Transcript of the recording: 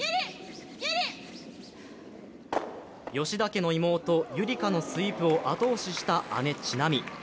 吉田家の妹、夕梨花のスイープを後押しした姉、知那美。